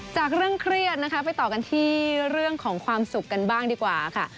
จากเรื่องเครียดนะคะไปต่อกันที่เรื่องของความสุขกันบ้างดีกว่าค่ะ